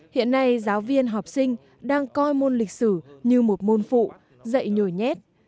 hiện nay giáo viên học sinh đang coi môn lịch sử như một môn phụ dạy nhồi nhét